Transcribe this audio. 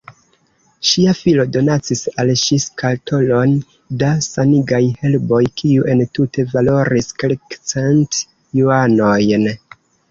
Ŝia filo donacis al ŝi skatolon da sanigaj herboj, kiu entute valoris kelkcent juanojn.